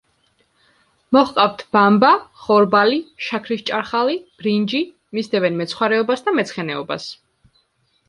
მოჰყავთ ბამბა, ხორბალი, შაქრის ჭარხალი, ბრინჯი, მისდევენ მეცხვარეობას და მეცხენეობას.